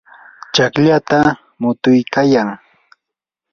chaqlata mutuykayan.